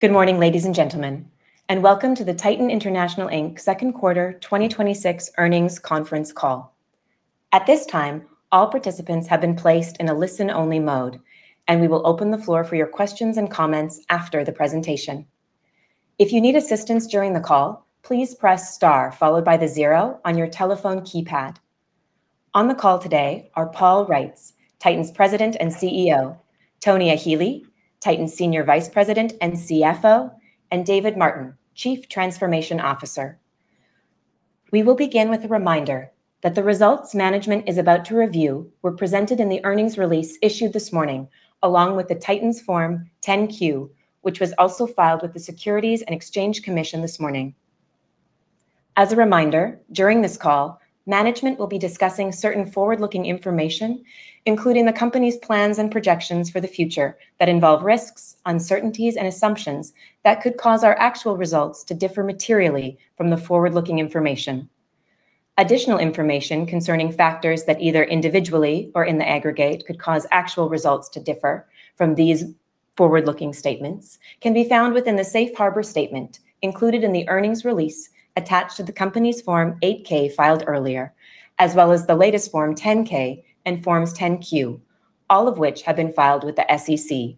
Good morning, ladies and gentlemen. Welcome to the Titan International, Inc. second quarter 2026 earnings conference call. At this time, all participants have been placed in a listen-only mode. We will open the floor for your questions and comments after the presentation. If you need assistance during the call, please press star, followed by the zero on your telephone keypad. On the call today are Paul Reitz, Titan's President and CEO, Tony Eheli, Titan's Senior Vice President and CFO, David Martin, Chief Transformation Officer. We will begin with a reminder that the results management is about to review were presented in the earnings release issued this morning, along with Titan's Form 10-Q, which was also filed with the Securities and Exchange Commission this morning. As a reminder, during this call, management will be discussing certain forward-looking information, including the company's plans and projections for the future that involve risks, uncertainties, and assumptions that could cause our actual results to differ materially from the forward-looking information. Additional information concerning factors that either individually or in the aggregate could cause actual results to differ from these forward-looking statements can be found within the safe harbor statement included in the earnings release attached to the company's Form 8-K filed earlier, as well as the latest Form 10-K and Forms 10-Q, all of which have been filed with the SEC.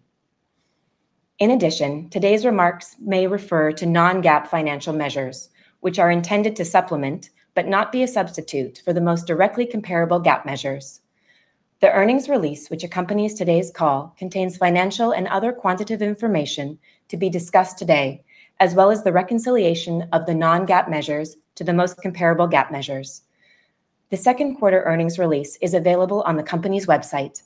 In addition, today's remarks may refer to non-GAAP financial measures, which are intended to supplement, but not be a substitute for the most directly comparable GAAP measures. The earnings release which accompanies today's call contains financial and other quantitative information to be discussed today, as well as the reconciliation of the non-GAAP measures to the most comparable GAAP measures. The second quarter earnings release is available on the company's website.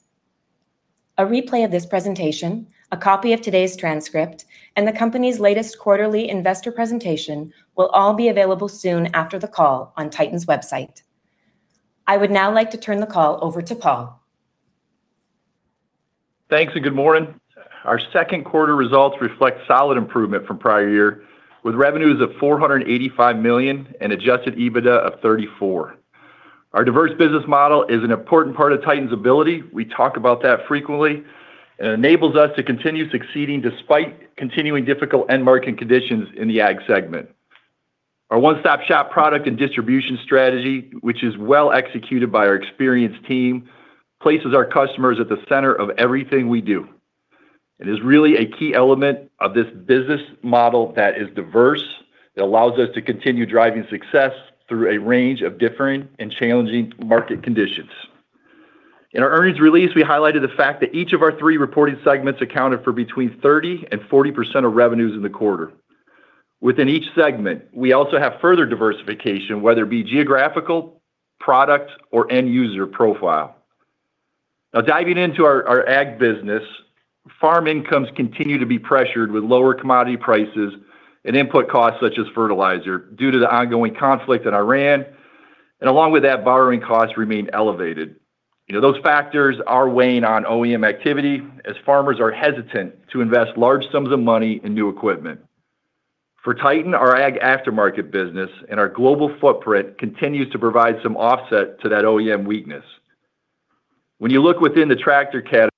A replay of this presentation, a copy of today's transcript, The company's latest quarterly investor presentation will all be available soon after the call on Titan's website. I would now like to turn the call over to Paul. Thanks and good morning. Our second quarter results reflect solid improvement from prior year, with revenues of $485 million and adjusted EBITDA of $34 million. Our diverse business model is an important part of Titan's ability, we talk about that frequently. It enables us to continue succeeding despite continuing difficult end market conditions in the ag segment. Our one-stop-shop product and distribution strategy, which is well executed by our experienced team, places our customers at the center of everything we do. It is really a key element of this business model that is diverse. It allows us to continue driving success through a range of differing and challenging market conditions. In our earnings release, we highlighted the fact that each of our three reported segments accounted for between 30%-40% of revenues in the quarter. Within each segment, we also have further diversification, whether it be geographical, product, or end user profile. Diving into our Ag business, farm incomes continue to be pressured with lower commodity prices and input costs such as fertilizer due to the ongoing conflict in Iran. Along with that, borrowing costs remain elevated. Those factors are weighing on OEM activity as farmers are hesitant to invest large sums of money in new equipment. For Titan, our Ag aftermarket business and our global footprint continues to provide some offset to that OEM weakness. When you look within the tractor category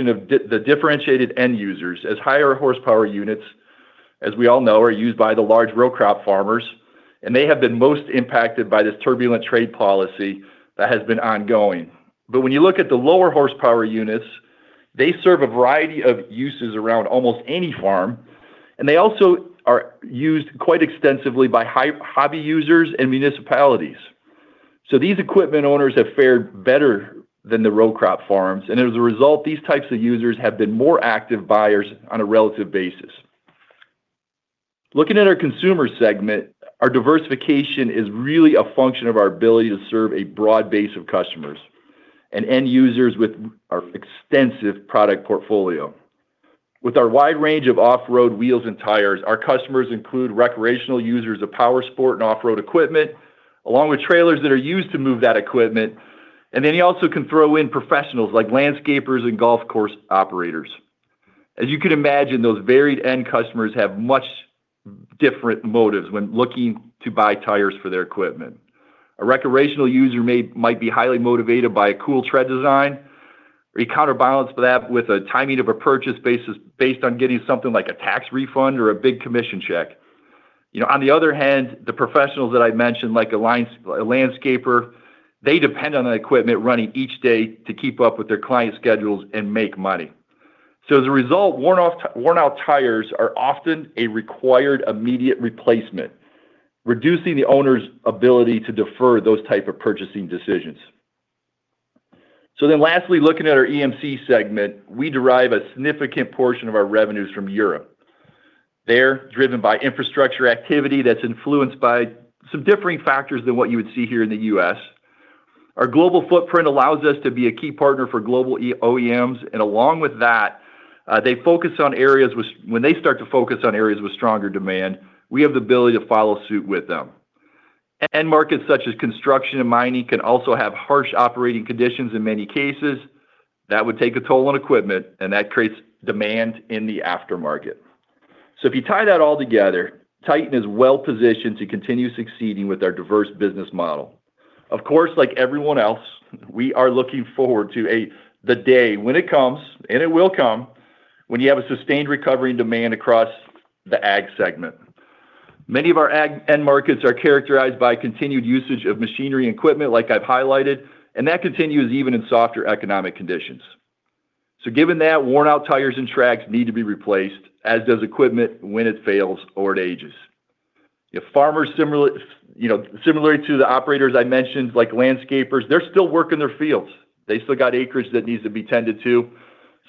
of the differentiated end users as higher horsepower units, as we all know, are used by the large row crop farmers, and they have been most impacted by this turbulent trade policy that has been ongoing. When you look at the lower horsepower units, they serve a variety of uses around almost any farm, and they also are used quite extensively by hobby users and municipalities. These equipment owners have fared better than the row crop farms, and as a result, these types of users have been more active buyers on a relative basis. Looking at our Consumer segment, our diversification is really a function of our ability to serve a broad base of customers and end users with our extensive product portfolio. With our wide range of off-road wheels and tires, our customers include recreational users of power sport and off-road equipment, along with trailers that are used to move that equipment, and then you also can throw in professionals like landscapers and golf course operators. As you can imagine, those varied end customers have much different motives when looking to buy tires for their equipment. A recreational user might be highly motivated by a cool tread design, or you counterbalance that with a timing of a purchase based on getting something like a tax refund or a big commission check. On the other hand, the professionals that I mentioned, like a landscaper, they depend on the equipment running each day to keep up with their client schedules and make money. As a result, worn-out tires are often a required immediate replacement, reducing the owner's ability to defer those type of purchasing decisions. Lastly, looking at our EMC segment, we derive a significant portion of our revenues from Europe. They're driven by infrastructure activity that's influenced by some differing factors than what you would see here in the U.S. Our global footprint allows us to be a key partner for global OEMs, and along with that, when they start to focus on areas with stronger demand, we have the ability to follow suit with them. End markets such as construction and mining can also have harsh operating conditions in many cases. That would take a toll on equipment, and that creates demand in the aftermarket. If you tie that all together, Titan is well-positioned to continue succeeding with our diverse business model. Of course, like everyone else, we are looking forward to the day when it comes, and it will come, when you have a sustained recovery and demand across the Ag segment. Many of our Ag end markets are characterized by continued usage of machinery and equipment like I've highlighted, and that continues even in softer economic conditions. Given that, worn out tires and tracks need to be replaced, as does equipment when it fails or it ages. Farmers, similarly to the operators I mentioned, like landscapers, they're still working their fields. They still got acreage that needs to be tended to.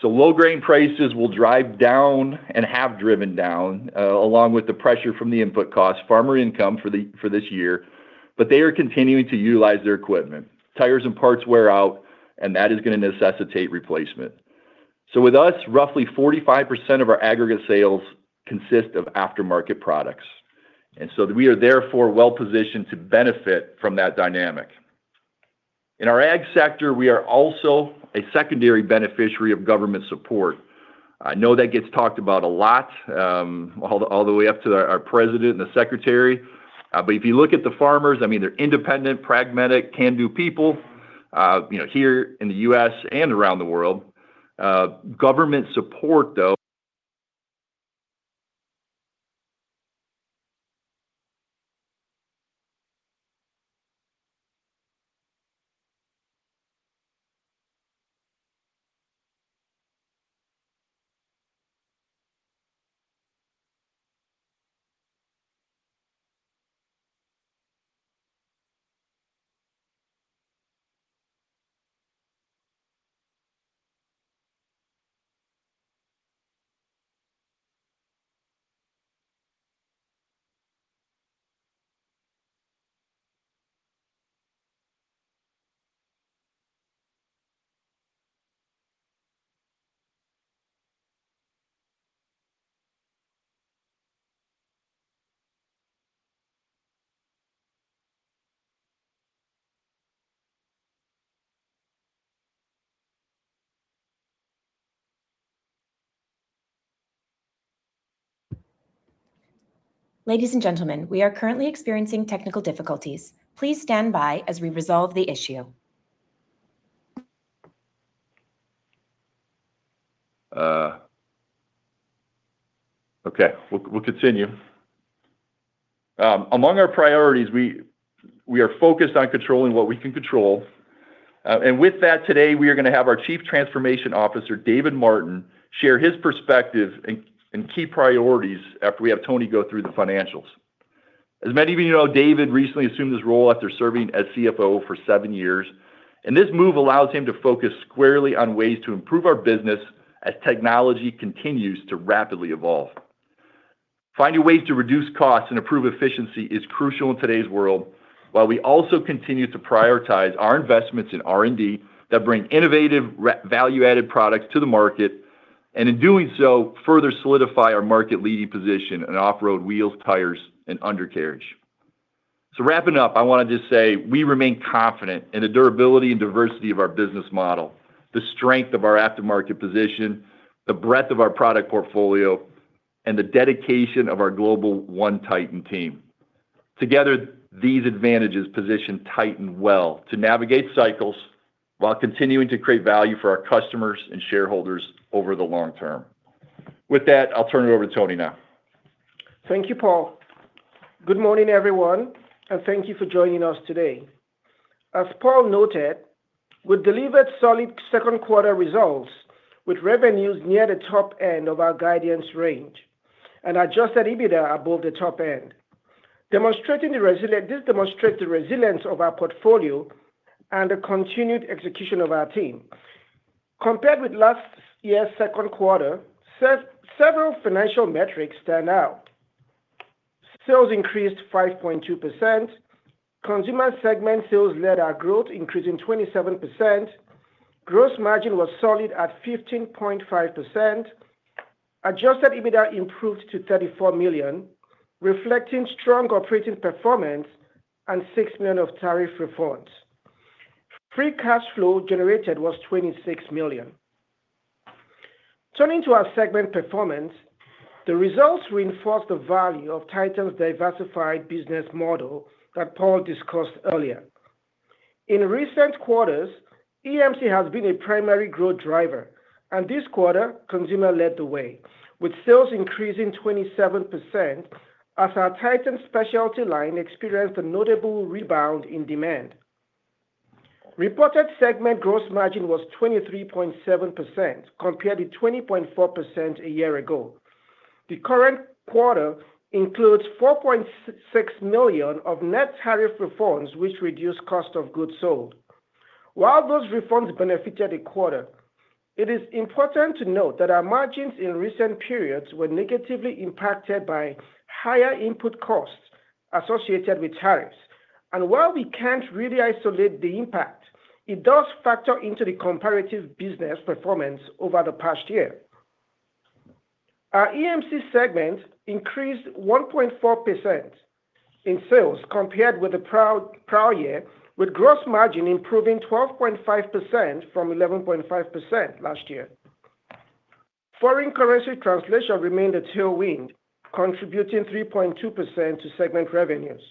Low grain prices will drive down and have driven down, along with the pressure from the input cost, farmer income for this year, but they are continuing to utilize their equipment. Tires and parts wear out, and that is going to necessitate replacement. With us, roughly 45% of our aggregate sales consist of aftermarket products. We are therefore well-positioned to benefit from that dynamic. In our ag sector, we are also a secondary beneficiary of government support. I know that gets talked about a lot, all the way up to our president and the secretary. If you look at the farmers, they're independent, pragmatic, can-do people here in the U.S. and around the world. Government support, though. Ladies and gentlemen, we are currently experiencing technical difficulties. Please stand by as we resolve the issue. Okay. We'll continue. Among our priorities, we are focused on controlling what we can control. With that, today, we are going to have our Chief Transformation Officer, David Martin, share his perspective and key priorities after we have Tony go through the financials. As many of you know, David recently assumed this role after serving as CFO for seven years. This move allows him to focus squarely on ways to improve our business as technology continues to rapidly evolve. Finding ways to reduce costs and improve efficiency is crucial in today's world, while we also continue to prioritize our investments in R&D that bring innovative, value-added products to the market, and in doing so, further solidify our market-leading position in off-road wheels, tires, and undercarriage. Wrapping up, I want to just say we remain confident in the durability and diversity of our business model, the strength of our aftermarket position, the breadth of our product portfolio, and the dedication of our global One Titan team. Together, these advantages position Titan well to navigate cycles while continuing to create value for our customers and shareholders over the long term. With that, I'll turn it over to Tony now. Thank you, Paul. Good morning, everyone, and thank you for joining us today. As Paul noted, we delivered solid second quarter results with revenues near the top end of our guidance range and adjusted EBITDA above the top end. This demonstrates the resilience of our portfolio and the continued execution of our team. Compared with last year's second quarter, several financial metrics stand out. Sales increased 5.2%. Consumer segment sales led our growth, increasing 27%. Gross margin was solid at 15.5%. Adjusted EBITDA improved to $34 million, reflecting strong operating performance and $6 million of tariff refunds. Free cash flow generated was $26 million. Turning to our segment performance, the results reinforce the value of Titan's diversified business model that Paul discussed earlier. In recent quarters, EMC has been a primary growth driver, and this quarter, consumer led the way, with sales increasing 27% as our Titan Specialty line experienced a notable rebound in demand. Reported segment gross margin was 23.7%, compared to 20.4% a year ago. The current quarter includes $4.6 million of net tariff refunds, which reduced cost of goods sold. While those refunds benefited the quarter, it is important to note that our margins in recent periods were negatively impacted by higher input costs associated with tariffs. While we can't really isolate the impact, it does factor into the comparative business performance over the past year. Our EMC segment increased 1.4% in sales compared with the prior year, with gross margin improving 12.5% from 11.5% last year. Foreign currency translation remained a tailwind, contributing 3.2% to segment revenues.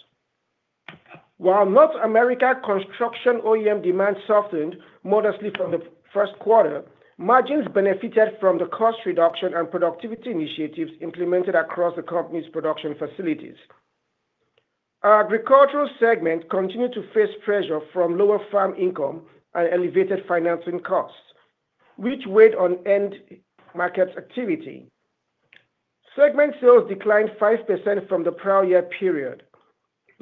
While North America construction OEM demand softened modestly from the first quarter, margins benefited from the cost reduction and productivity initiatives implemented across the company's production facilities. Our agricultural segment continued to face pressure from lower farm income and elevated financing costs, which weighed on end market activity. Segment sales declined 5% from the prior year period.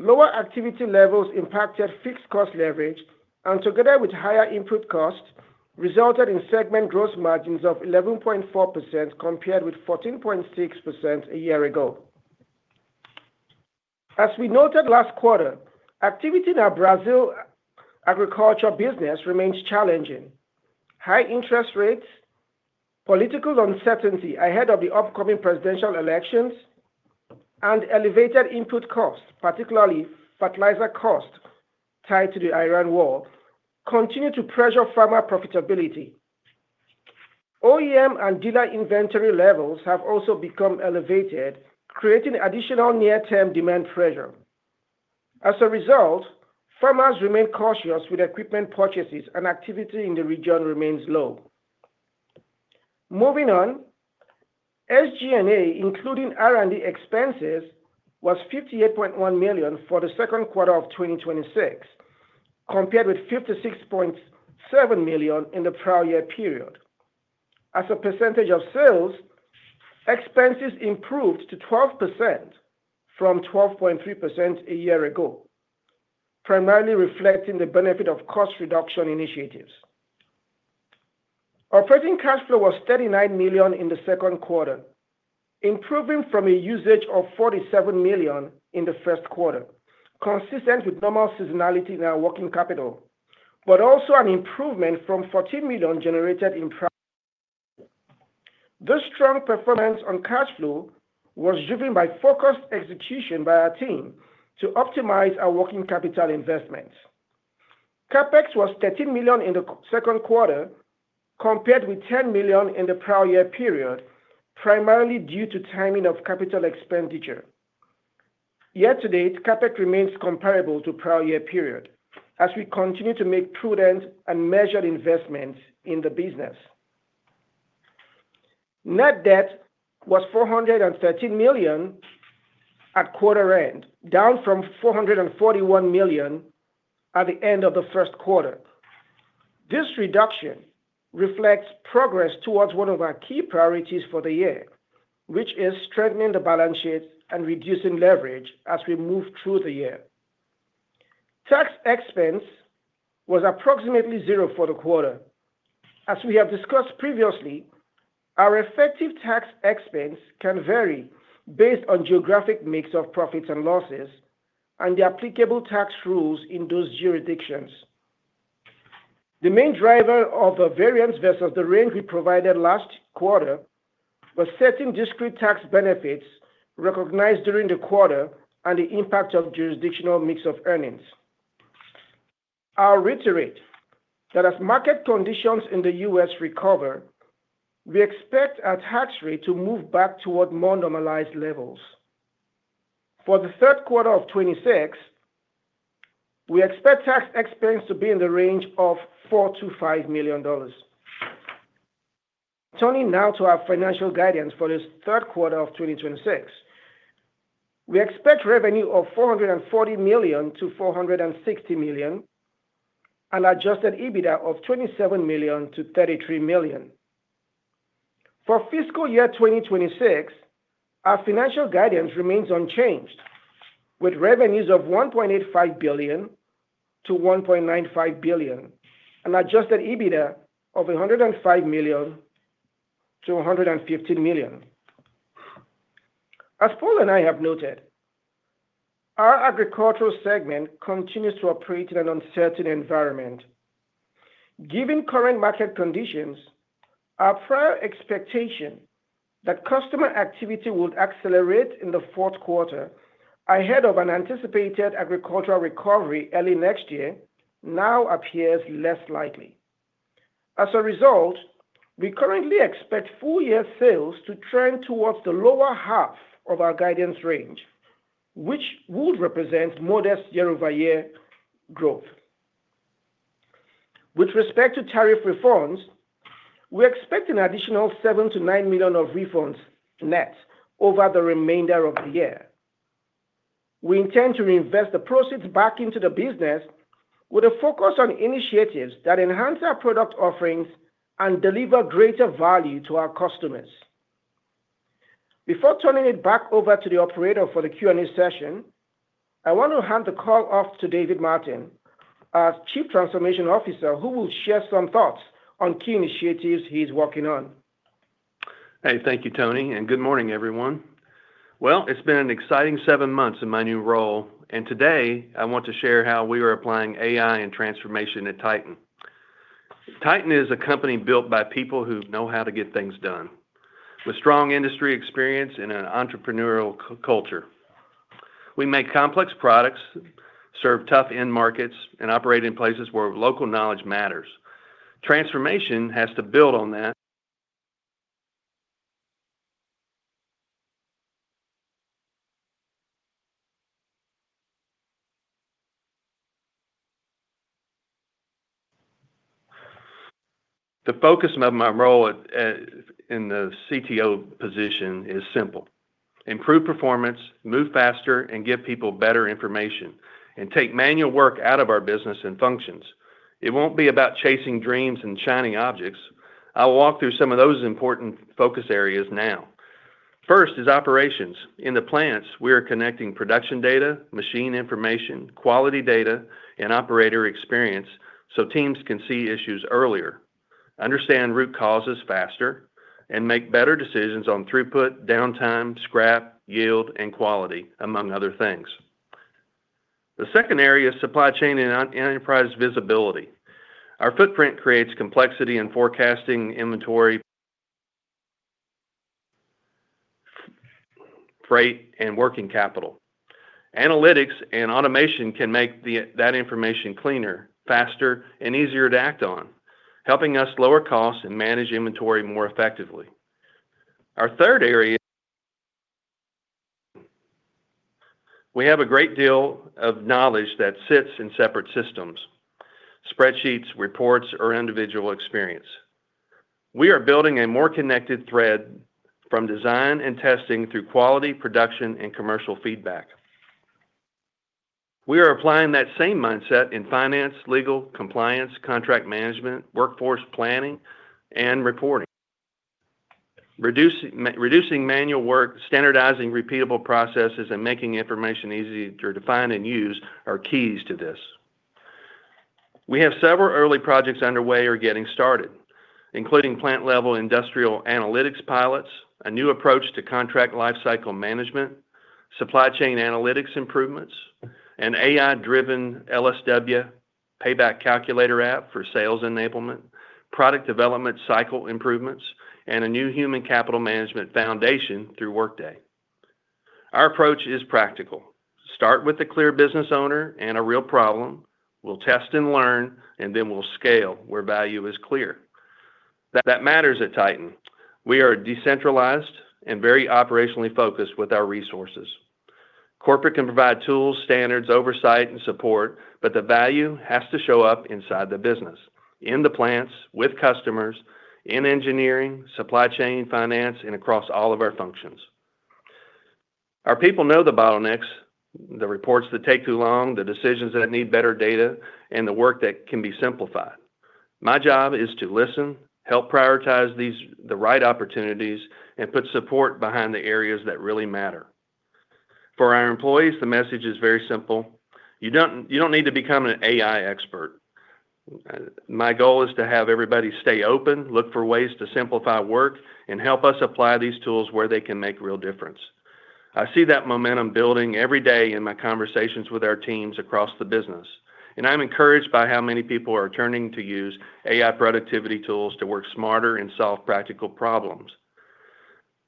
Lower activity levels impacted fixed cost leverage, and together with higher input costs, resulted in segment gross margins of 11.4% compared with 14.6% a year ago. As we noted last quarter, activity in our Brazil agriculture business remains challenging. High interest rates, political uncertainty ahead of the upcoming presidential elections, and elevated input costs, particularly fertilizer costs tied to the Russia/Ukraine war, continue to pressure farmer profitability. OEM and dealer inventory levels have also become elevated, creating additional near-term demand pressure. As a result, farmers remain cautious with equipment purchases and activity in the region remains low. SG&A, including R&D expenses, was $58.1 million for the second quarter of 2026, compared with $56.7 million in the prior year period. As a percentage of sales, expenses improved to 12% from 12.3% a year ago, primarily reflecting the benefit of cost reduction initiatives. Operating cash flow was $39 million in the second quarter, improving from a usage of $47 million in the first quarter, consistent with normal seasonality in our working capital, but also an improvement from $14 million generated in prior. This strong performance on cash flow was driven by focused execution by our team to optimize our working capital investments. CapEx was $13 million in the second quarter compared with $10 million in the prior year period, primarily due to timing of capital expenditure. Year to date, CapEx remains comparable to prior year period as we continue to make prudent and measured investments in the business. Net debt was $413 million at quarter end, down from $441 million at the end of the first quarter. This reduction reflects progress towards one of our key priorities for the year, which is strengthening the balance sheet and reducing leverage as we move through the year. Tax expense was approximately zero for the quarter. As we have discussed previously, our effective tax expense can vary based on geographic mix of profits and losses and the applicable tax rules in those jurisdictions. The main driver of the variance versus the range we provided last quarter was certain discrete tax benefits recognized during the quarter and the impact of jurisdictional mix of earnings. I'll reiterate that as market conditions in the U.S. recover, we expect our tax rate to move back toward more normalized levels. For the third quarter of 2026, we expect tax expense to be in the range of $4 million-$5 million. Turning now to our financial guidance for the third quarter of 2026. We expect revenue of $440 million-$460 million and adjusted EBITDA of $27 million-$33 million. For fiscal year 2026, our financial guidance remains unchanged, with revenues of $1.85 billion-$1.95 billion and adjusted EBITDA of $105 million-$115 million. As Paul and I have noted, our agricultural segment continues to operate in an uncertain environment. Given current market conditions, our prior expectation that customer activity would accelerate in the fourth quarter ahead of an anticipated agricultural recovery early next year now appears less likely. As a result, we currently expect full year sales to trend towards the lower half of our guidance range, which would represent modest year-over-year growth. With respect to tariff refunds, we expect an additional $7 million-$9 million of refunds net over the remainder of the year. We intend to reinvest the proceeds back into the business with a focus on initiatives that enhance our product offerings and deliver greater value to our customers. Before turning it back over to the operator for the Q&A session, I want to hand the call off to David Martin, our Chief Transformation Officer, who will share some thoughts on key initiatives he's working on. Thank you, Tony, and good morning, everyone. It's been an exciting seven months in my new role. Today I want to share how we are applying AI and transformation at Titan. Titan is a company built by people who know how to get things done. With strong industry experience and an entrepreneurial culture, we make complex products, serve tough end markets, and operate in places where local knowledge matters. Transformation has to build on that. The focus of my role in the CTO position is simple: improve performance, move faster, give people better information, and take manual work out of our business and functions. It won't be about chasing dreams and shiny objects. I'll walk through some of those important focus areas now. First is operations. In the plants, we are connecting production data, machine information, quality data, and operator experience so teams can see issues earlier, understand root causes faster, and make better decisions on throughput, downtime, scrap, yield, and quality, among other things. The second area is supply chain and enterprise visibility. Our footprint creates complexity in forecasting inventory, freight, and working capital. Analytics and automation can make that information cleaner, faster, and easier to act on, helping us lower costs and manage inventory more effectively. Our third area. We have a great deal of knowledge that sits in separate systems, spreadsheets, reports, or individual experience. We are building a more connected thread from design and testing through quality, production, and commercial feedback. We are applying that same mindset in finance, legal, compliance, contract management, workforce planning, and reporting. Reducing manual work, standardizing repeatable processes, and making information easy to find and use are keys to this. We have several early projects underway or getting started, including plant-level industrial analytics pilots, a new approach to contract lifecycle management, supply chain analytics improvements, an AI-driven LSW payback calculator app for sales enablement, product development cycle improvements, and a new human capital management foundation through Workday. Our approach is practical. Start with a clear business owner and a real problem. We'll test and learn. Then we'll scale where value is clear. That matters at Titan. We are decentralized and very operationally focused with our resources. Corporate can provide tools, standards, oversight, and support, but the value has to show up inside the business, in the plants, with customers, in engineering, supply chain, finance, and across all of our functions. Our people know the bottlenecks, the reports that take too long, the decisions that need better data, and the work that can be simplified. My job is to listen, help prioritize the right opportunities, and put support behind the areas that really matter. For our employees, the message is very simple. You don't need to become an AI expert. My goal is to have everybody stay open, look for ways to simplify work, and help us apply these tools where they can make a real difference. I see that momentum building every day in my conversations with our teams across the business. I'm encouraged by how many people are turning to use AI productivity tools to work smarter and solve practical problems.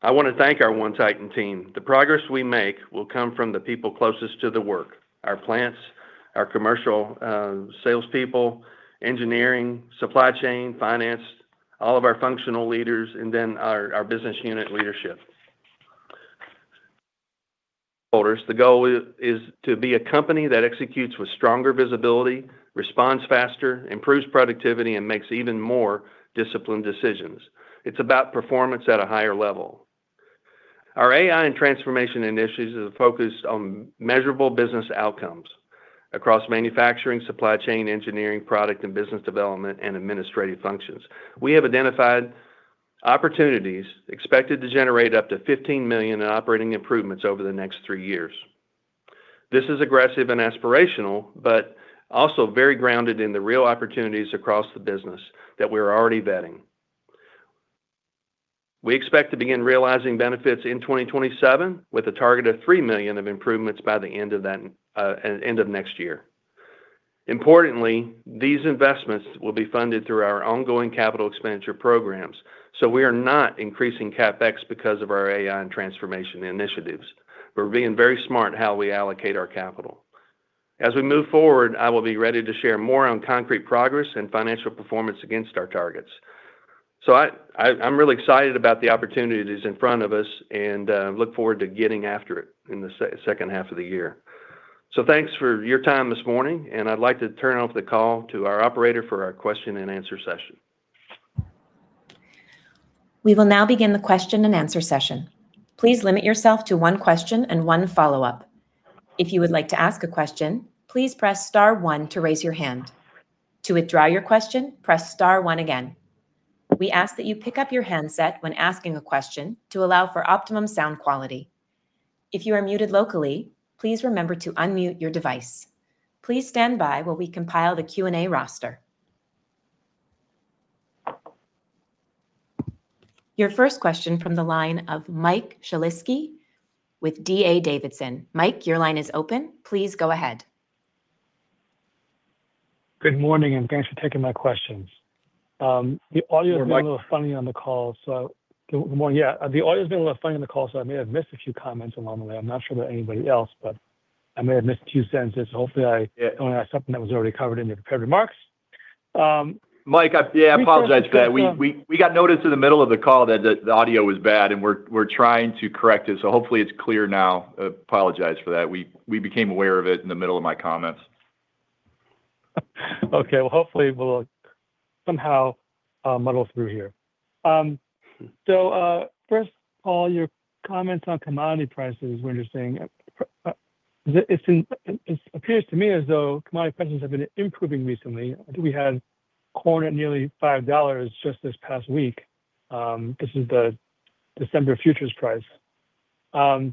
I want to thank our One Titan team. The progress we make will come from the people closest to the work, our plants, our commercial salespeople, engineering, supply chain, finance, all of our functional leaders, and then our business unit leadership. The goal is to be a company that executes with stronger visibility, responds faster, improves productivity, and makes even more disciplined decisions. It's about performance at a higher level. Our AI and Transformation Initiatives is focused on measurable business outcomes across manufacturing, supply chain, engineering, product and business development, and administrative functions. We have identified opportunities expected to generate up to $15 million in operating improvements over the next three years. This is aggressive and aspirational, but also very grounded in the real opportunities across the business that we're already vetting. We expect to begin realizing benefits in 2027 with a target of $3 million of improvements by the end of next year. Importantly, these investments will be funded through our ongoing capital expenditure programs. We are not increasing CapEx because of our AI and Transformation Initiatives. We're being very smart how we allocate our capital. As we move forward, I will be ready to share more on concrete progress and financial performance against our targets. I'm really excited about the opportunities in front of us and look forward to getting after it in the second half of the year. Thanks for your time this morning, and I'd like to turn off the call to our operator for our question and answer session. We will now begin the question and answer session. Please limit yourself to one question and one follow-up. If you would like to ask a question, please press star one to raise your hand. To withdraw your question, press star one again. We ask that you pick up your handset when asking a question to allow for optimum sound quality. If you are muted locally, please remember to unmute your device. Please stand by while we compile the Q&A roster. Your first question from the line of Mike Shlisky with D.A. Davidson. Mike, your line is open. Please go ahead. Good morning, thanks for taking my questions. Yeah, Mike. Been a little funny on the call, so I may have missed a few comments along the way. I'm not sure about anybody else, but I may have missed a few sentences. Hopefully, I only asked something that was already covered in the prepared remarks. Mike, yeah, I apologize for that. We got notice in the middle of the call that the audio was bad, and we're trying to correct it, so hopefully it's clear now. I apologize for that. We became aware of it in the middle of my comments. Okay. Well, hopefully we'll somehow muddle through here. First, Paul, your comments on commodity prices, it appears to me as though commodity prices have been improving recently. I think we had corn at nearly $5 just this past week. This is the December futures price. I was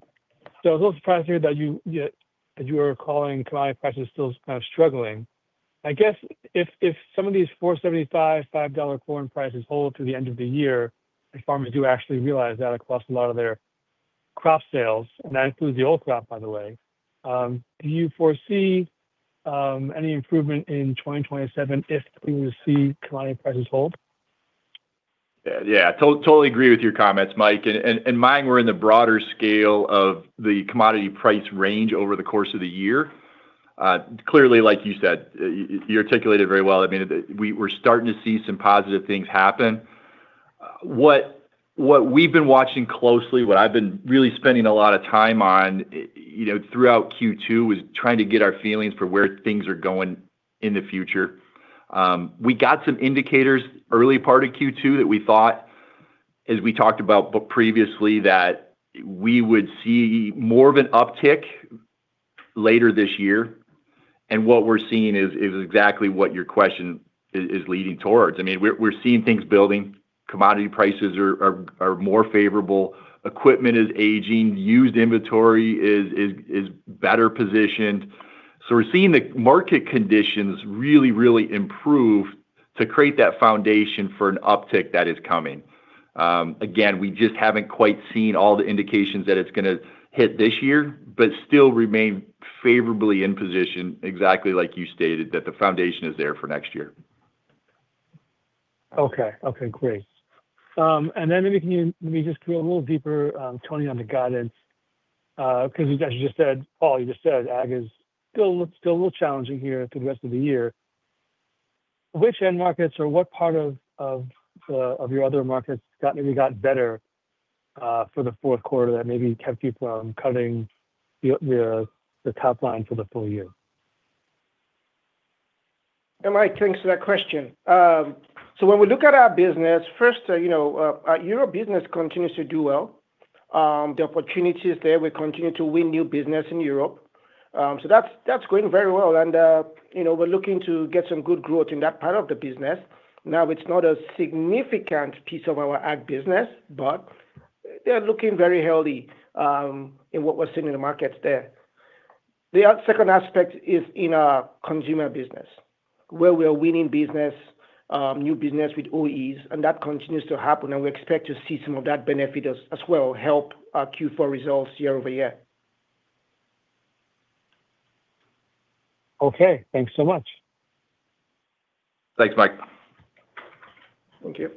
a little surprised to hear that you are calling commodity prices still struggling. I guess if some of these $4.75, $5 corn prices hold to the end of the year, if farmers do actually realize that across a lot of their crop sales, and that includes the old crop, by the way, do you foresee any improvement in 2027 if we were to see commodity prices hold? Totally agree with your comments, Mike. Mine were in the broader scale of the commodity price range over the course of the year. Clearly, like you said, you articulated very well. We're starting to see some positive things happen. What we've been watching closely, what I've been really spending a lot of time on throughout Q2, was trying to get our feelings for where things are going in the future. We got some indicators early part of Q2 that we thought, as we talked about previously, that we would see more of an uptick later this year. What we're seeing is exactly what your question is leading towards. We're seeing things building. Commodity prices are more favorable. Equipment is aging. Used inventory is better positioned. We're seeing the market conditions really, really improve to create that foundation for an uptick that is coming. We just haven't quite seen all the indications that it's going to hit this year, still remain favorably in position, exactly like you stated, that the foundation is there for next year. Great. Maybe can you just drill a little deeper, Tony, on the guidance? Because as Paul just said, ag is still a little challenging here through the rest of the year. Which end markets or what part of your other markets maybe got better for the fourth quarter that maybe kept you from cutting the top line for the full year? Mike, thanks for that question. When we look at our business, first, our Europe business continues to do well. The opportunity is there. We continue to win new business in Europe. That's going very well, and we're looking to get some good growth in that part of the business. It's not a significant piece of our ag business, but they're looking very healthy in what we're seeing in the markets there. The second aspect is in our consumer business, where we are winning business, new business with OEs, that continues to happen and we expect to see some of that benefit as well help our Q4 results year-over-year. Okay. Thanks so much. Thanks, Mike. Thank you.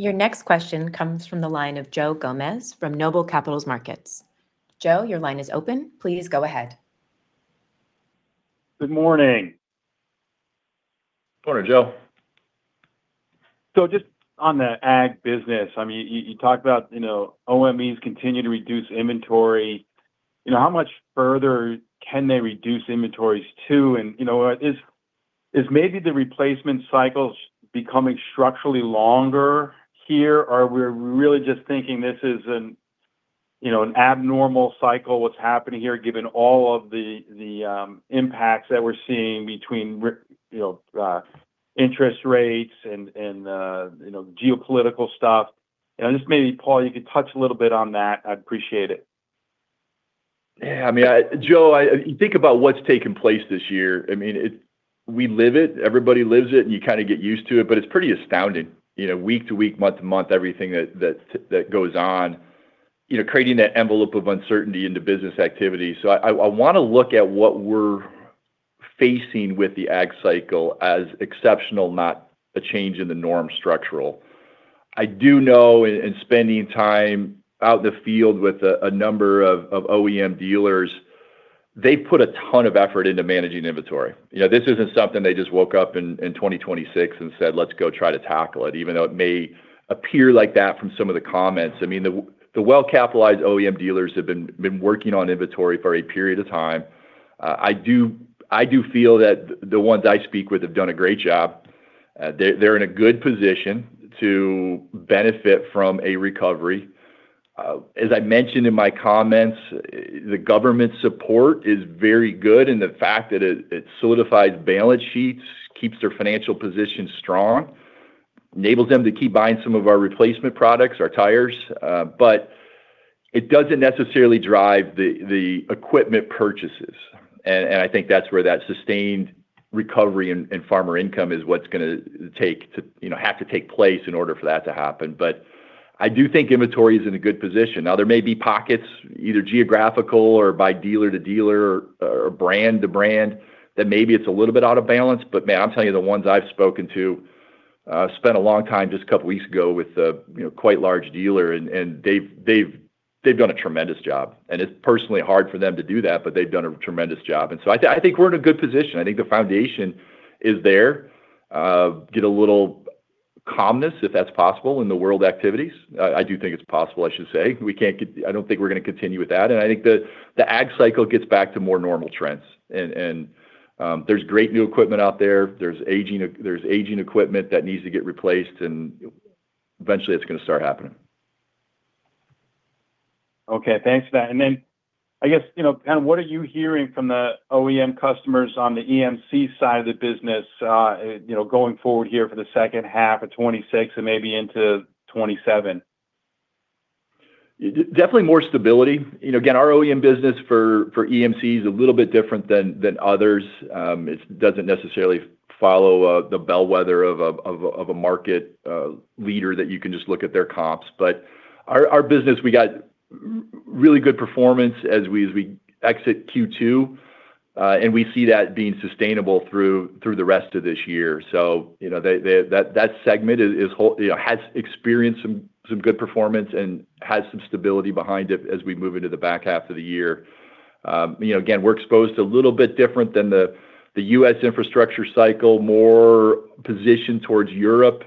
Your next question comes from the line of Joe Gomez from Noble Capital Markets. Joe, your line is open. Please go ahead. Good morning. Morning, Joe. Just on the ag business, you talked about OEMs continue to reduce inventory. How much further can they reduce inventories to? Is maybe the replacement cycles becoming structurally longer here, or we're really just thinking this is an abnormal cycle what's happening here, given all of the impacts that we're seeing between interest rates and geopolitical stuff? Just maybe, Paul, you could touch a little bit on that. I'd appreciate it. Yeah. Joe, you think about what's taken place this year. We live it, everybody lives it, and you kind of get used to it, but it's pretty astounding. Week to week, month to month, everything that goes on, creating that envelope of uncertainty into business activity. I want to look at what we're facing with the ag cycle as exceptional, not a change in the norm structural. I do know in spending time out in the field with a number of OEM dealers, they've put a ton of effort into managing inventory. This isn't something they just woke up in 2026 and said, "Let's go try to tackle it," even though it may appear like that from some of the comments. The well-capitalized OEM dealers have been working on inventory for a period of time. I do feel that the ones I speak with have done a great job. They're in a good position to benefit from a recovery. As I mentioned in my comments, the government support is very good, the fact that it solidifies balance sheets, keeps their financial position strong, enables them to keep buying some of our replacement products, our tires. It doesn't necessarily drive the equipment purchases. I think that's where that sustained recovery in farmer income is what's going to have to take place in order for that to happen. I do think inventory is in a good position. Now, there may be pockets, either geographical or by dealer to dealer, or brand to brand, that maybe it's a little bit out of balance. Man, I'm telling you, the ones I've spoken to, spent a long time just a couple of weeks ago with a quite large dealer, and they've done a tremendous job. It's personally hard for them to do that, but they've done a tremendous job. I think we're in a good position. I think the foundation is there. Get a little calmness, if that's possible, in the world activities. I do think it's possible, I should say. I don't think we're going to continue with that. I think the ag cycle gets back to more normal trends. There's great new equipment out there. There's aging equipment that needs to get replaced and eventually it's going to start happening. Okay. Thanks for that. What are you hearing from the OEM customers on the EMC side of the business, going forward here for the second half of 2026 and maybe into 2027? Definitely more stability. Again, our OEM business for EMC is a little bit different than others. It doesn't necessarily follow the bellwether of a market leader that you can just look at their comps. Our business, we got really good performance as we exit Q2, and we see that being sustainable through the rest of this year. That segment has experienced some good performance and has some stability behind it as we move into the back half of the year. Again, we're exposed a little bit different than the U.S. infrastructure cycle, more positioned towards Europe.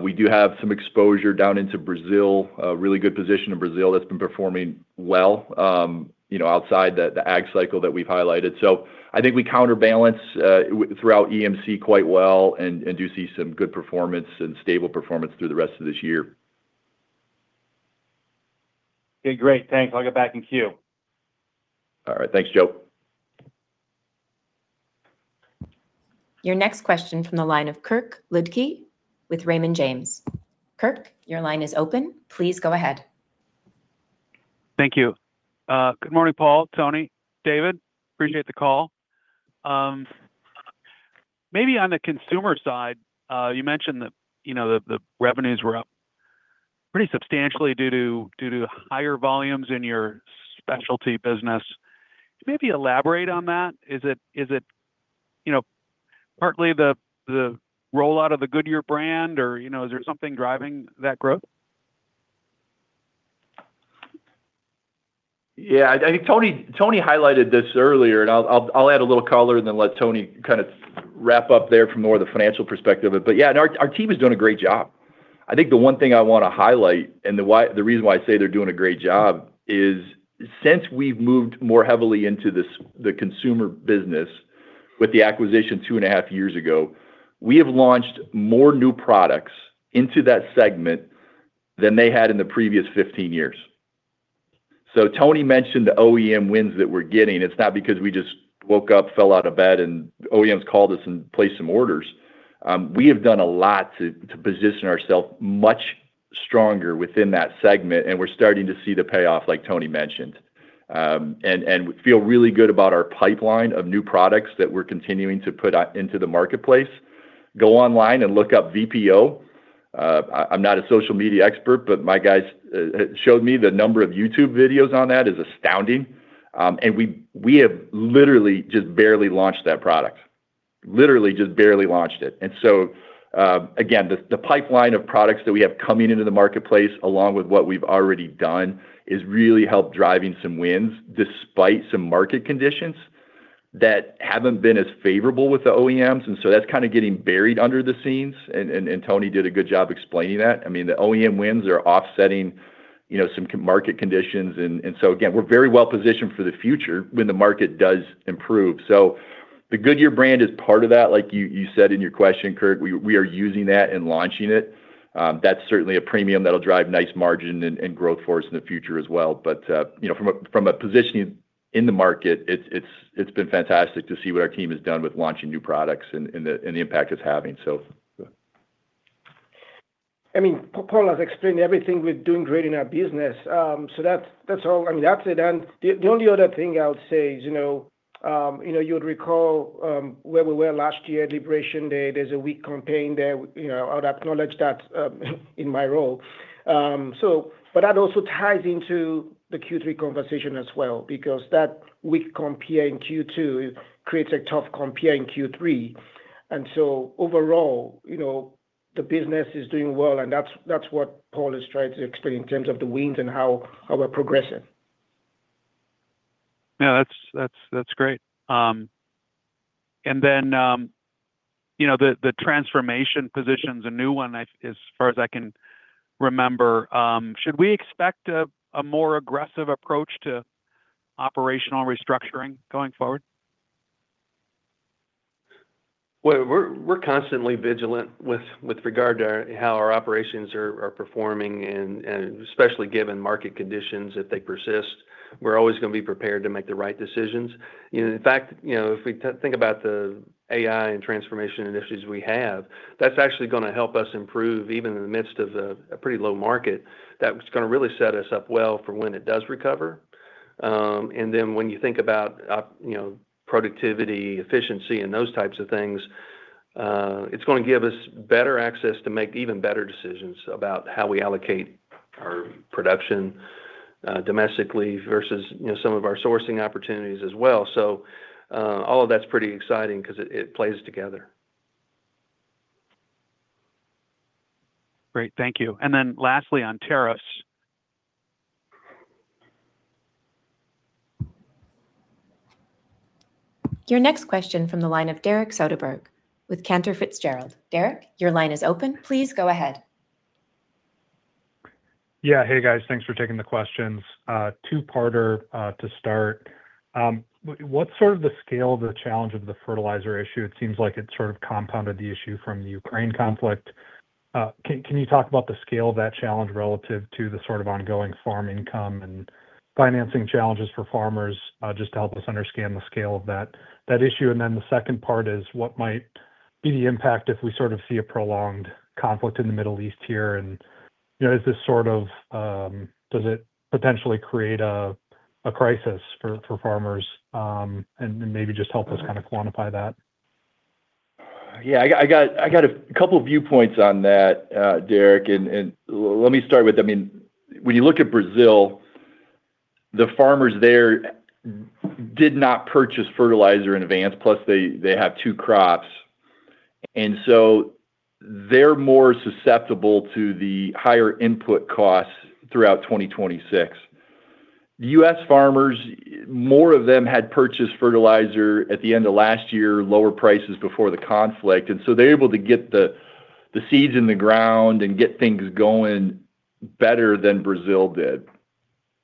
We do have some exposure down into Brazil, a really good position in Brazil that's been performing well outside the ag cycle that we've highlighted. I think we counterbalance throughout EMC quite well and do see some good performance and stable performance through the rest of this year. Okay, great. Thanks. I'll get back in queue. All right. Thanks, Joe. Your next question from the line of Kirk Ludtke with Raymond James. Kirk, your line is open. Please go ahead. Thank you. Good morning, Paul, Tony, David. Appreciate the call. Maybe on the consumer side, you mentioned that the revenues were up pretty substantially due to higher volumes in your Specialty business. Could you maybe elaborate on that? Is it partly the rollout of the Goodyear brand, or is there something driving that growth? Yeah. I think Tony highlighted this earlier, I'll add a little color and then let Tony kind of wrap up there from more of the financial perspective of it. Our team is doing a great job. I think the one thing I want to highlight, and the reason why I say they're doing a great job is since we've moved more heavily into the consumer business with the acquisition two and a half years ago, we have launched more new products into that segment than they had in the previous 15 years. Tony mentioned the OEM wins that we're getting. It's not because we just woke up, fell out of bed, and the OEMs called us and placed some orders. We have done a lot to position ourselves much stronger within that segment, and we're starting to see the payoff, like Tony mentioned. We feel really good about our pipeline of new products that we're continuing to put out into the marketplace. Go online and look up VPO. I'm not a social media expert, but my guys showed me the number of YouTube videos on that is astounding. We have literally just barely launched that product. Literally just barely launched it. Again, the pipeline of products that we have coming into the marketplace, along with what we've already done, has really helped driving some wins despite some market conditions that haven't been as favorable with the OEMs. That's kind of getting buried under the scenes and Tony did a good job explaining that. I mean, the OEM wins are offsetting some market conditions. Again, we're very well positioned for the future when the market does improve. The Goodyear brand is part of that, like you said in your question, Kirk. We are using that and launching it. That's certainly a premium that'll drive nice margin and growth for us in the future as well. From a positioning in the market, it's been fantastic to see what our team has done with launching new products and the impact it's having. Paul has explained everything we're doing great in our business. That's all. That said, the only other thing I would say is you would recall where we were last year, Liberation Day. There's a weak campaign there. I would acknowledge that in my role. That also ties into the Q3 conversation as well, because that weak compare in Q2 creates a tough compare in Q3. Overall, the business is doing well and that's what Paul is trying to explain in terms of the wins and how we're progressing. Yeah. That's great. The transformation position's a new one as far as I can remember. Should we expect a more aggressive approach to operational restructuring going forward? Well, we're constantly vigilant with regard to how our operations are performing and especially given market conditions, if they persist. We're always going to be prepared to make the right decisions. In fact, if we think about the AI and transformation initiatives we have, that's actually going to help us improve, even in the midst of a pretty low market that's going to really set us up well for when it does recover. When you think about productivity, efficiency, and those types of things, it's going to give us better access to make even better decisions about how we allocate our production domestically versus some of our sourcing opportunities as well. All of that's pretty exciting because it plays together. Great, thank you. Lastly, on tariffs. Your next question from the line of Derek Soderberg with Cantor Fitzgerald. Derek, your line is open. Please go ahead. Yeah. Hey, guys. Thanks for taking the questions. Two-parter to start. What's the scale of the challenge of the fertilizer issue? It seems like it compounded the issue from the Russia/Ukraine war. Can you talk about the scale of that challenge relative to the ongoing farm income and financing challenges for farmers, just to help us understand the scale of that issue? The second part is what might be the impact if we see a prolonged conflict in the Middle East here, and does it potentially create a crisis for farmers? Maybe just help us quantify that. Yeah, I got a couple of viewpoints on that, Derek. Let me start with, when you look at Brazil, the farmers there did not purchase fertilizer in advance. Plus, they have two crops, so they're more susceptible to the higher input costs throughout 2026. The U.S. farmers, more of them had purchased fertilizer at the end of last year, lower prices before the conflict. So they're able to get the seeds in the ground and get things going better than Brazil did.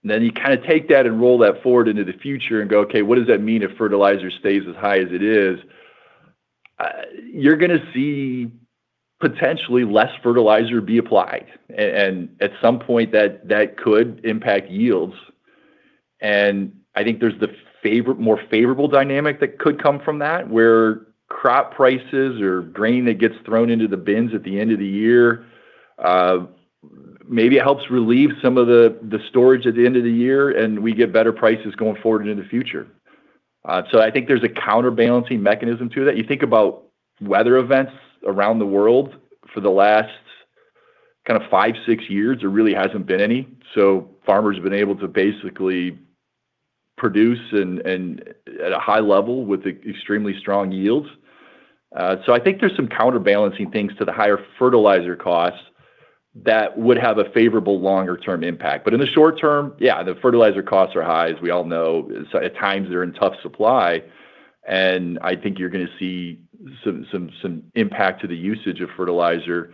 You take that and roll that forward into the future and go, "Okay, what does that mean if fertilizer stays as high as it is?" You're going to see potentially less fertilizer be applied. At some point that could impact yields. I think there's the more favorable dynamic that could come from that, where crop prices or grain that gets thrown into the bins at the end of the year, maybe it helps relieve some of the storage at the end of the year and we get better prices going forward into the future. I think there's a counterbalancing mechanism to that. You think about weather events around the world for the last five, six years, there really hasn't been any. Farmers have been able to basically produce at a high level with extremely strong yields. I think there's some counterbalancing things to the higher fertilizer costs that would have a favorable longer-term impact. In the short term, yeah, the fertilizer costs are high, as we all know. At times they're in tough supply, I think you're going to see some impact to the usage of fertilizer.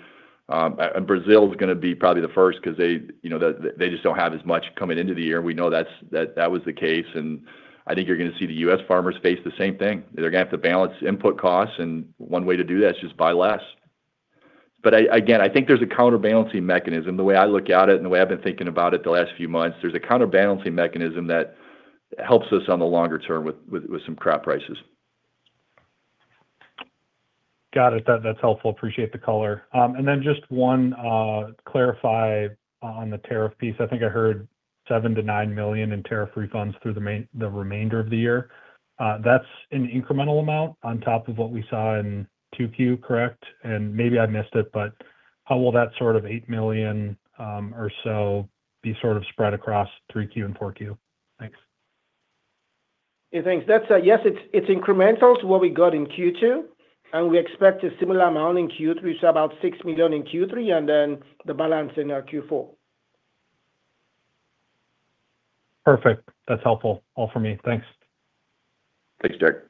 Brazil is going to be probably the first because they just don't have as much coming into the year, we know that was the case, I think you're going to see the U.S. farmers face the same thing. They're going to have to balance input costs, one way to do that is just buy less. Again, I think there's a counterbalancing mechanism. The way I look at it and the way I've been thinking about it the last few months, there's a counterbalancing mechanism that helps us on the longer term with some crop prices. Got it. That's helpful. Appreciate the color. Then just one clarify on the tariff piece. I think I heard $7 million-$9 million in tariff refunds through the remainder of the year. That's an incremental amount on top of what we saw in 2Q, correct? Maybe I missed it, but how will that sort of $8 million or so be spread across 3Q and 4Q? Thanks. Yeah, thanks. Yes, it's incremental to what we got in Q2. We expect a similar amount in Q3. About $6 million in Q3. Then the balance in our Q4. Perfect. That's helpful. All from me. Thanks. Thanks, Derek.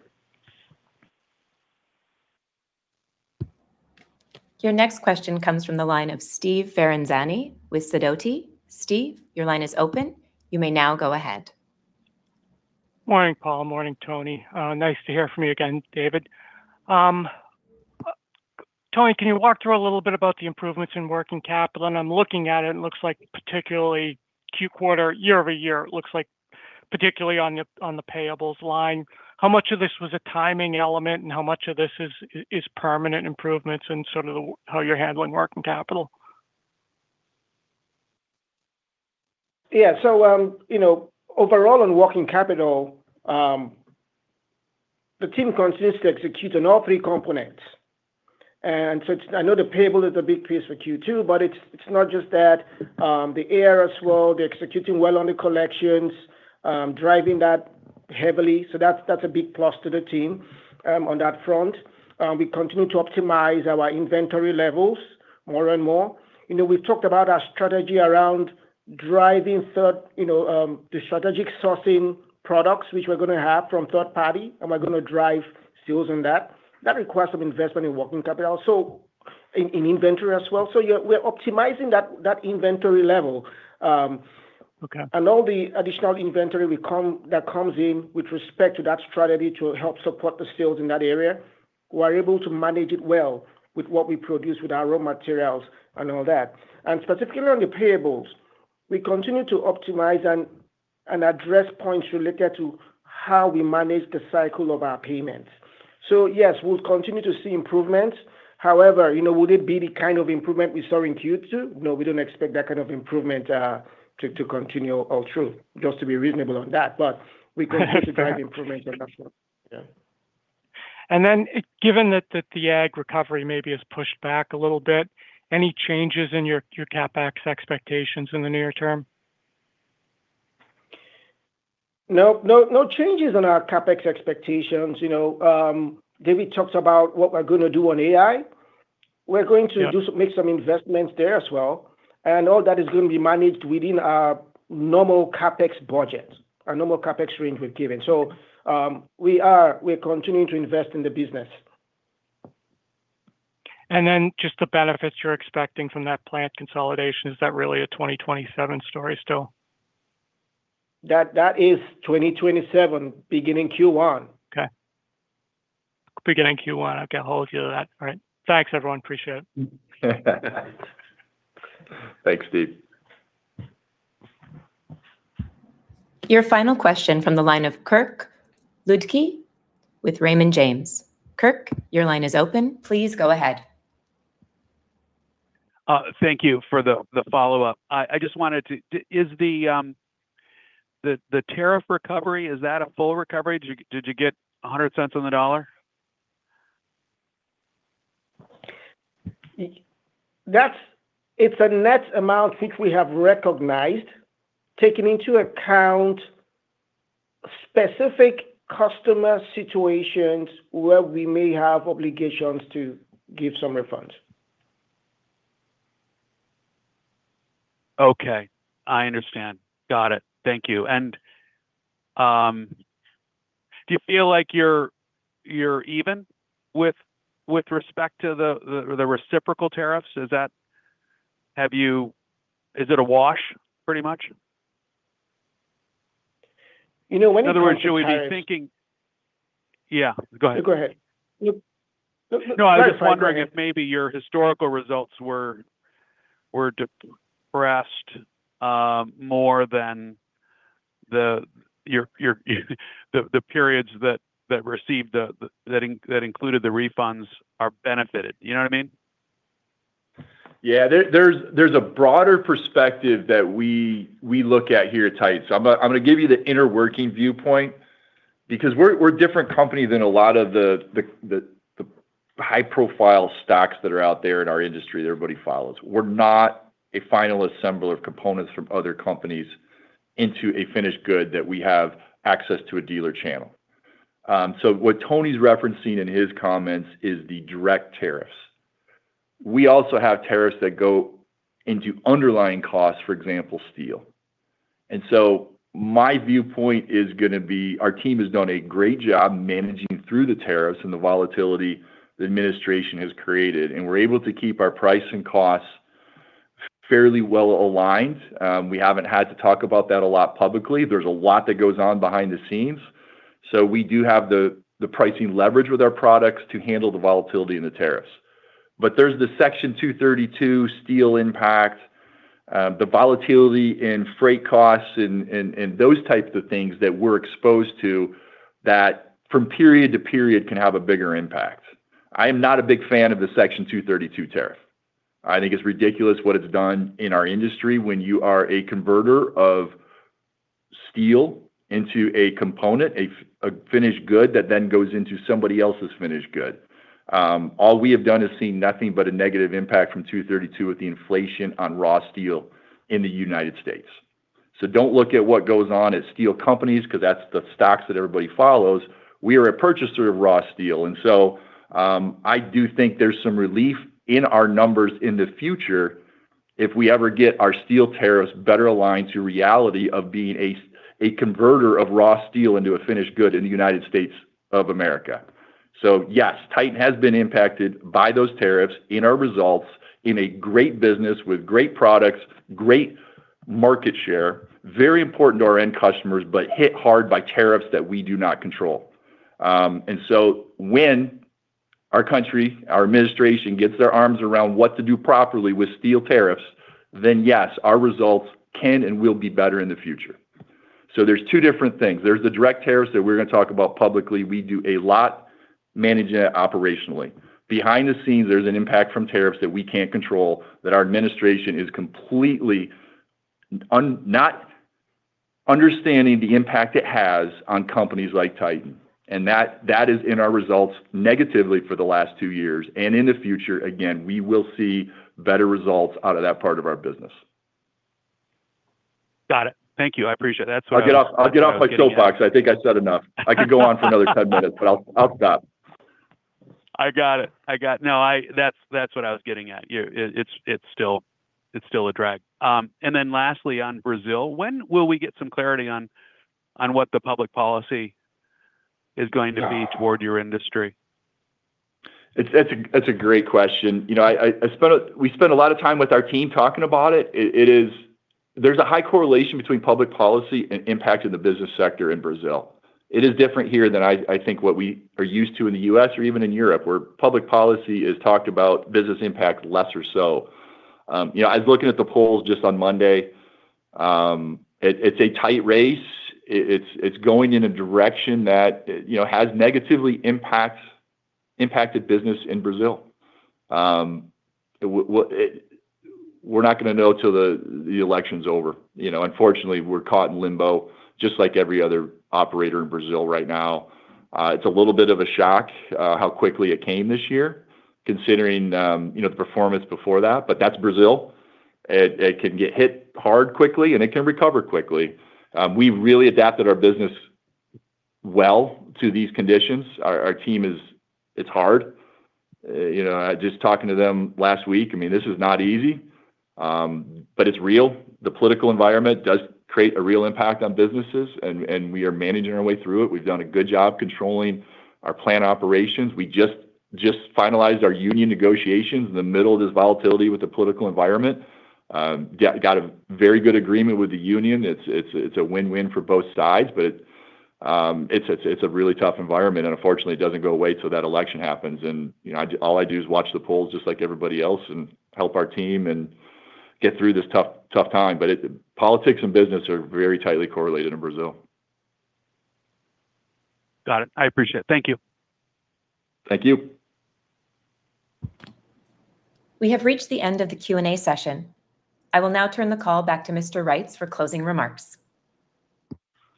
Your next question comes from the line of Steve Ferazani with Sidoti. Steve, your line is open. You may now go ahead. Morning, Paul. Morning, Tony. Nice to hear from you again, David. Tony, can you walk through a little bit about the improvements in working capital? I'm looking at it looks like particularly Q quarter, year-over-year, on the payables line. How much of this was a timing element and how much of this is permanent improvements in how you're handling working capital? Yeah. Overall on working capital, the team continues to execute on all three components. I know the payable is a big piece for Q2, but it's not just that. The AR as well, they're executing well on the collections, driving that heavily. That's a big plus to the team on that front. We continue to optimize our inventory levels more and more. We've talked about our strategy around driving the strategic sourcing products, which we're going to have from third party, and we're going to drive sales on that. That requires some investment in working capital. In inventory as well. We're optimizing that inventory level. Okay. All the additional inventory that comes in with respect to that strategy to help support the sales in that area. We are able to manage it well with what we produce with our raw materials and all that. Specifically on the payables, we continue to optimize and address points related to how we manage the cycle of our payments. Yes, we'll continue to see improvements. However, will it be the kind of improvement we saw in Q2? No, we don't expect that kind of improvement to continue all through. Just to be reasonable on that. We continue to drive improvements on that front. Yeah. Given that the ag recovery maybe is pushed back a little bit, any changes in your CapEx expectations in the near term? No changes on our CapEx expectations. David talks about what we're going to do on AI. Yeah We're going to make some investments there as well. All that is going to be managed within our normal CapEx budget, our normal CapEx range we've given. We are continuing to invest in the business. Just the benefits you're expecting from that plant consolidation, is that really a 2027 story still? That is 2027, beginning Q1. Okay. Beginning Q1. Okay. I'll get a hold of you on that. All right. Thanks everyone. Appreciate it. Thanks, Steve. Your final question from the line of Kirk Ludtke with Raymond James. Kirk, your line is open. Please go ahead. Thank you for the follow-up. Is the tariff recovery a full recovery? Did you get $1.00 on the dollar? It's a net amount which we have recognized, taking into account specific customer situations where we may have obligations to give some refunds. Okay. I understand. Got it. Thank you. Do you feel like you're even with respect to the reciprocal tariffs? Is it a wash pretty much? When you look at the tariffs In other words, should we be thinking? Yeah, go ahead. Go ahead. No, I'm just wondering if maybe your historical results were depressed more than the periods that included the refunds are benefited. You know what I mean? Yeah. There's a broader perspective that we look at here at Titan. I'm going to give you the inner working viewpoint, because we're a different company than a lot of the high-profile stocks that are out there in our industry that everybody follows. We're not a final assembler of components from other companies into a finished good that we have access to a dealer channel. What Tony's referencing in his comments is the direct tariffs. We also have tariffs that go into underlying costs, for example, steel. My viewpoint is going to be, our team has done a great job managing through the tariffs and the volatility the administration has created, and we're able to keep our price and costs fairly well aligned. We haven't had to talk about that a lot publicly. There's a lot that goes on behind the scenes. We do have the pricing leverage with our products to handle the volatility in the tariffs. There's the Section 232 steel impact, the volatility in freight costs and those types of things that we're exposed to, that from period to period can have a bigger impact. I am not a big fan of the Section 232 tariff. I think it's ridiculous what it's done in our industry when you are a converter of steel into a component, a finished good that then goes into somebody else's finished good. All we have done is seen nothing but a negative impact from 232 with the inflation on raw steel in the United States. Don't look at what goes on at steel companies, because that's the stocks that everybody follows. We are a purchaser of raw steel. I do think there's some relief in our numbers in the future if we ever get our steel tariffs better aligned to reality of being a converter of raw steel into a finished good in the United States of America. Yes, Titan has been impacted by those tariffs in our results in a great business with great products, great market share, very important to our end customers, but hit hard by tariffs that we do not control. When our country, our administration, gets their arms around what to do properly with steel tariffs, then yes, our results can and will be better in the future. There's two different things. There's the direct tariffs that we're going to talk about publicly. We do a lot managing that operationally. Behind the scenes, there's an impact from tariffs that we can't control, that our administration is completely not understanding the impact it has on companies like Titan. That is in our results negatively for the last two years. In the future, again, we will see better results out of that part of our business. Got it. Thank you. I appreciate it. That's what I was getting at. I'll get off my soapbox. I think I said enough. I could go on for another 10 minutes. I'll stop. I got it. No, that's what I was getting at. It's still a drag. Lastly, on Brazil, when will we get some clarity on what the public policy is going to be toward your industry? That's a great question. We spend a lot of time with our team talking about it. There's a high correlation between public policy and impact in the business sector in Brazil. It is different here than, I think, what we are used to in the U.S. or even in Europe, where public policy is talked about business impact lesser so. I was looking at the polls just on Monday. It's a tight race. It's going in a direction that has negatively impacted business in Brazil. We're not going to know till the election's over. Unfortunately, we're caught in limbo just like every other operator in Brazil right now. It's a little bit of a shock how quickly it came this year considering the performance before that. That's Brazil. It can get hit hard quickly and it can recover quickly. We've really adapted our business well to these conditions. Our team. It's hard. Just talking to them last week, this is not easy. It's real. The political environment does create a real impact on businesses and we are managing our way through it. We've done a good job controlling our plant operations. We just finalized our union negotiations in the middle of this volatility with the political environment. Got a very good agreement with the union. It's a win-win for both sides. It's a really tough environment and unfortunately it doesn't go away till that election happens. All I do is watch the polls just like everybody else and help our team and get through this tough time. Politics and business are very tightly correlated in Brazil. Got it. I appreciate it. Thank you. Thank you. We have reached the end of the Q&A session. I will now turn the call back to Mr. Reitz for closing remarks.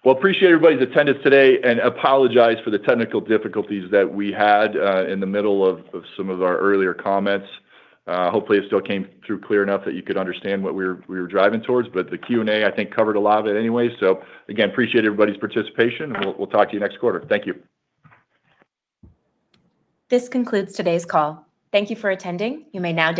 Appreciate everybody's attendance today and apologize for the technical difficulties that we had in the middle of some of our earlier comments. Hopefully it still came through clear enough that you could understand what we were driving towards. The Q&A I think covered a lot of it anyway. Again, appreciate everybody's participation and we'll talk to you next quarter. Thank you. This concludes today's call. Thank you for attending. You may now disconnect.